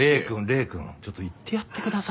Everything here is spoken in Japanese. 礼くんちょっと言ってやってくださいよ。